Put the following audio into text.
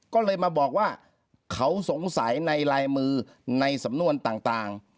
ก็เลยมาบอกว่าเขาสงสัยในลายมือในสำนวนต่าง